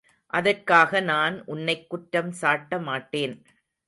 அதற்காக நான் உன்னைக் குற்றம் சாட்டமாட்டேன்.